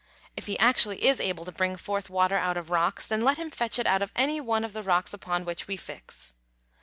If he actually is able to bring forth water out of rocks, then let him fetch it out of any one of the rocks upon which we fix."